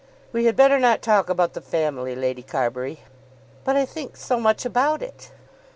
"We had better not talk about the family, Lady Carbury." "But I think so much about it."